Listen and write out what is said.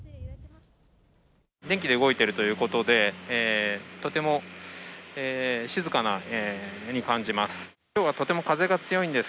電気で動いているということで、とても静かなように感じます。